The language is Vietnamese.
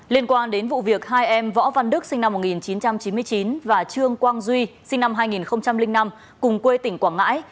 liên quan đến vụ việc hai em võ văn đức sinh năm một nghìn chín trăm chín mươi chín và trương quang duy sinh năm hai nghìn năm cùng quê tỉnh quảng ngãi